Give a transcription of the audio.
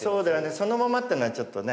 そのままっていうのはちょっとね。